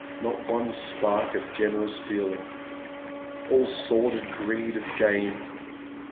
" Not one spark of generous feeling — all sordid freed of gain.